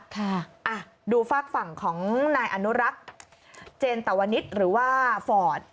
ค่ะดูฝากฝั่งของนายอนุรักษ์เจนตวนิษฐ์หรือว่าฟอร์ด